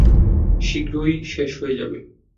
শীঘ্রই শেষ হয়ে যাবে।